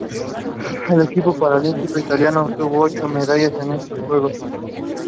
El equipo paralímpico italiano obtuvo ocho medallas en estos Juegos.